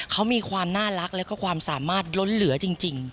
เขามีความน่ารักแล้วก็ความสามารถล้นเหลือจริง